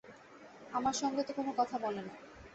আমার সঙ্গে তো কোনো কথা বলে না।